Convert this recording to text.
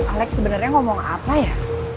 alex sebenarnya ngomong apa ya